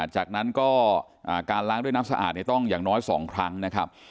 จากนั้นก็การล้างด้วยน้ำสะอาดต้องอย่างน้อย๒ครั้งนะครับ